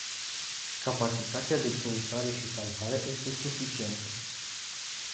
Capacitatea de căutare și salvare este suficientă.